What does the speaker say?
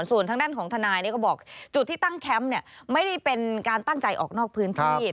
ส่วนทางด้านของทนายก็บอกจุดที่ตั้งแคมป์ไม่ได้เป็นการตั้งใจออกนอกพื้นที่